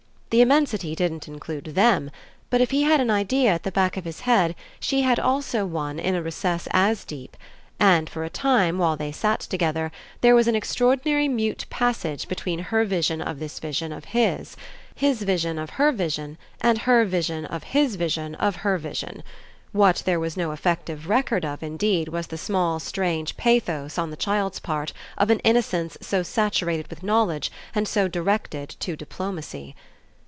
The immensity didn't include THEM; but if he had an idea at the back of his head she had also one in a recess as deep, and for a time, while they sat together, there was an extraordinary mute passage between her vision of this vision of his, his vision of her vision, and her vision of his vision of her vision. What there was no effective record of indeed was the small strange pathos on the child's part of an innocence so saturated with knowledge and so directed to diplomacy.